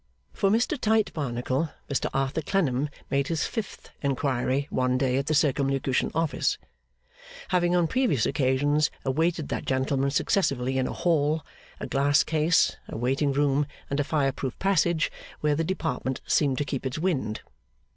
For Mr Tite Barnacle, Mr Arthur Clennam made his fifth inquiry one day at the Circumlocution Office; having on previous occasions awaited that gentleman successively in a hall, a glass case, a waiting room, and a fire proof passage where the Department seemed to keep its wind.